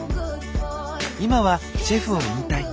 今はシェフを引退。